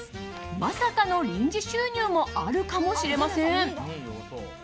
まさかの臨時収入もあるかもしれません。